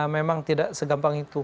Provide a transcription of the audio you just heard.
memang tidak segampang itu